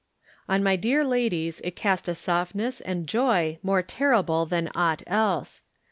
On my dear lady's it cast a softness and joy more terrible than aught else.